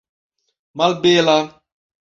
malbela